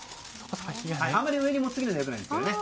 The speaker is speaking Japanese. あまり上に持ちすぎるのは良くないんですけどね。